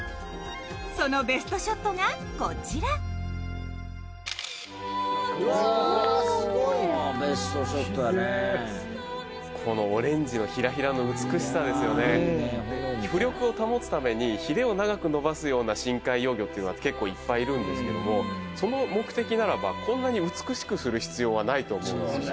そのベストショットがこちらうわすごいなベストショットだねキレイこのオレンジのヒラヒラの美しさですよねいやいいね炎みたい浮力を保つためにヒレを長く伸ばすような深海幼魚っていうのは結構いっぱいいるんですけどもその目的ならばこんなに美しくする必要はないと思うんですよね